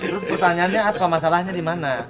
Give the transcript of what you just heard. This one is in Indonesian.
terus pertanyaannya apa masalahnya di mana